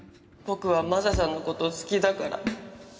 僕はマサさんのこと好きだから。